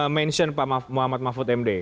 mention pak muhammad mahfud md